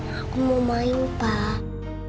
aku mau main pak